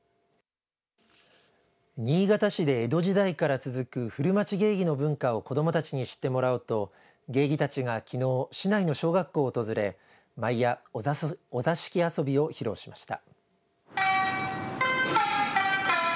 新潟市で江戸時代から続く古町芸妓の文化を子どもたちに知ってもらおうと芸妓たちが、きのう市内の小学校を訪れ舞やお座敷遊びを披露しました。